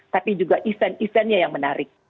tapi juga event eventnya yang menarik